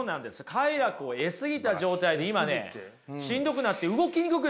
快楽を得過ぎた状態で今ねしんどくなって動きにくくなってるわけですよ。